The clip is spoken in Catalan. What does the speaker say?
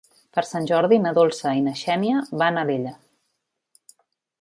Per Sant Jordi na Dolça i na Xènia van a Alella.